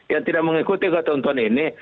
yang tidak mengikuti ketentuan ini